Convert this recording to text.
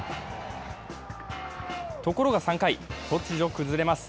ところが３回、突如崩れます。